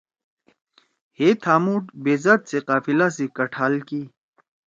ہیے تھا مُوڑ بیذات سی قافلہ سی کٹال کی۔